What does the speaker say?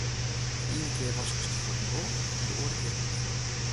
De iene kear waskest de fuotten wol en de oare kear net.